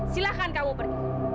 silahkan kamu pergi